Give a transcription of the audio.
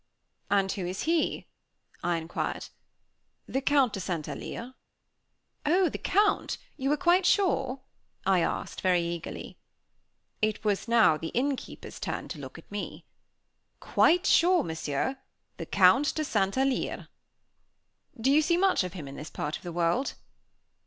"And who is he?" I inquired. "The Count de St. Alyre." "Oh! The Count! You are quite sure?" I asked, very eagerly. It was now the innkeeper's turn to look at me. "Quite sure, Monsieur, the Count de St. Alyre." "Do you see much of him in this part of the world?"